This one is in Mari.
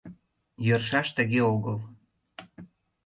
— Йӧршаш тыге огыл...